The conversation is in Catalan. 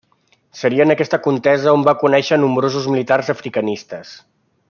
Seria en aquesta contesa on va conèixer a nombrosos militars africanistes.